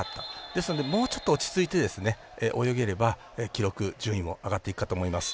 ですのでもうちょっと落ち着いて泳げれば記録、順位も上がっていくかと思います。